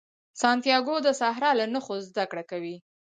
سانتیاګو د صحرا له نښو زده کړه کوي.